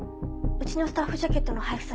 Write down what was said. うちのスタッフジャケットの配布